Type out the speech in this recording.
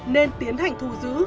nên tiến hành thu giữ